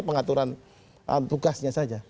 pengaturan tugasnya saja